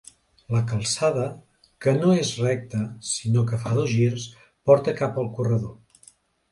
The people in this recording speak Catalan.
La calçada, que no és recta sinó que fa dos girs, porta cap al corredor.